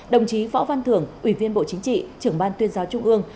đồng chí võ văn thưởng ủy viên bộ chính trị trưởng ban tuyên giáo trung ương